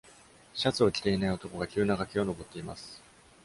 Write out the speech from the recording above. シャツを着ていない男が急な崖を登っています。